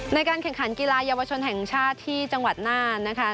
ในการแข่งขันกีฬาเยาวชนแห่งชาติที่จังหวัดน่านนะคะ